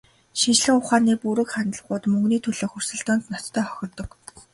Шинжлэх ухааны бүрэг хандлагууд мөнгөний төлөөх өрсөлдөөнд ноцтой хохирдог.